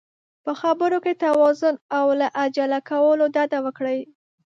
په خبرو کې توازن او له عجله کولو ډډه وکړئ.